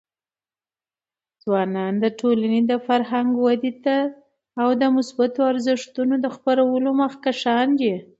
ځوانان د ټولنې د فرهنګي ودي او د مثبتو ارزښتونو د خپرولو مخکښان دي.